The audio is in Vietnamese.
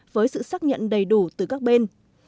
với sự xác nhận đầy đủ từ các bên